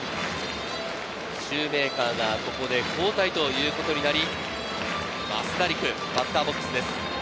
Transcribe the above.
シューメーカーがここで交代ということになり、増田陸、バッターボックスです。